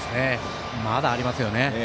まだありますよね。